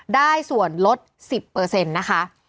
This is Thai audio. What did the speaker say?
ได้ส่วนลด๑๐เปอร์เซ็นต์นะคะ